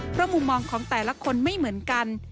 เพราะมุมมองของแต่ละคนไม่เหมือนกัน